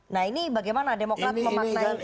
nah ini bagaimana demokrat memaknai